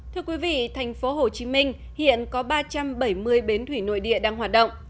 thưa quý vị thành phố hồ chí minh hiện có ba trăm bảy mươi bến thủy nội địa đang hoạt động